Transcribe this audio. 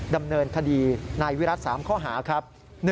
ดำเนินคดีนายวิรัติ๓ข้อหาครับ